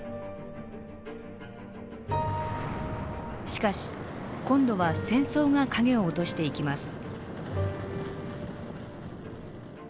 しかし今度は戦争が影を落としていきます。